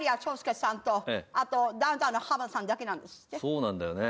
そうなんだよね。